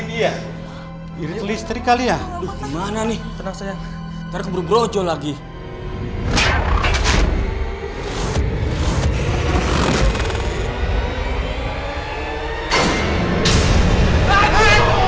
nanti ikan ikannya pada kabur tau